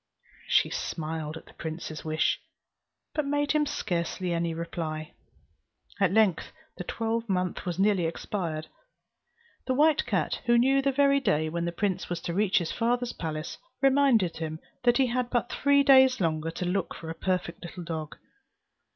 She smiled at the prince's wish, but made him scarcely any reply. At length the twelvemonth was nearly expired; the white cat, who knew the very day when the prince was to reach his father's palace, reminded him that he had but three days longer to look for a perfect little dog.